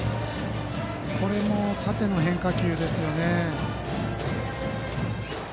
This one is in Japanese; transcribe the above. これも、縦の変化球ですよね。